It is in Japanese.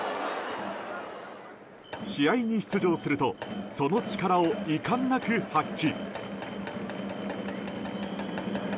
試合に出場するとその力をいかんなく発揮。